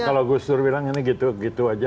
kalau gus dur bilang ini gitu gitu aja